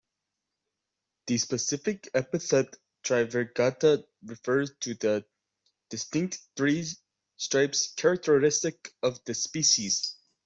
The specific epithet "trivirgata" refers to the distinct three stripes characteristic of the species.